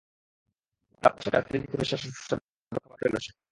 হঠাৎ পাশের ডাস্টবিন থেকে ভেসে আসা সুস্বাদু খাবারের ঘ্রাণ পেল সে।